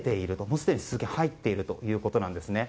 もう、すでに数件入っているということです。